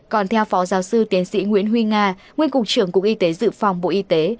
còn theo phó giáo sư tiến sĩ nguyễn huy nga nguyên cục trưởng cục y tế dự phòng bộ y tế